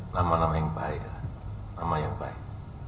nama nama yang baik nama yang baik